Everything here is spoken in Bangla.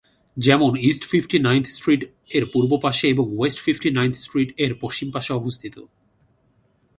যেমন ইস্ট ফিফটি-নাইনথ স্ট্রিট এর পূর্ব পাশে এবং ওয়েস্ট ফিফটি-নাইনথ স্ট্রিট এর পশ্চিম পাশে অবস্থিত।